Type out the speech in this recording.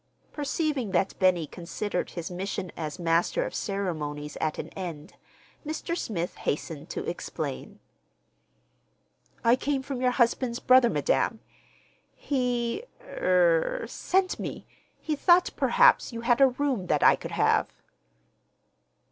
Perceiving that Benny considered his mission as master of ceremonies at an end, Mr. Smith hastened to explain. "I came from your husband's brother, madam. He—er—sent me. He thought perhaps you had a room that I could have."